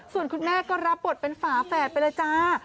ส่วนคุณแม่ก็รับบทเป็นฝาแฝดไปเลยจ้า